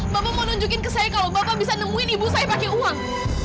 bapak mau nunjukin ke saya kalau bapak bisa nemuin ibu saya pakai uang